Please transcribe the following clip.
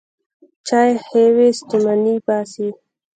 چای ښې وې، ستوماني باسي.